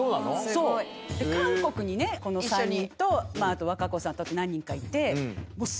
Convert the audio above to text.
そうで韓国にこの３人とあと和歌子さんと何人かいて。